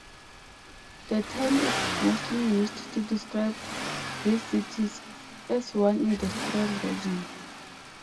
The term is mostly used to describe these cities as one industrial region.